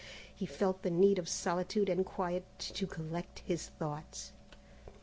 He felt the need of solitude and quiet to collect his thoughts.